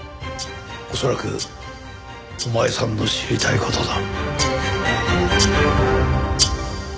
恐らくお前さんの知りたい事だ。